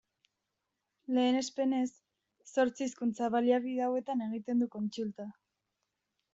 Lehenespenez, zortzi hizkuntza-baliabide hauetan egiten du kontsulta.